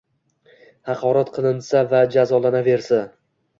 haqorat qilinsa va jazolanaversa